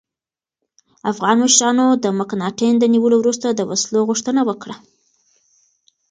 افغان مشرانو د مکناتن د نیولو وروسته د وسلو غوښتنه وکړه.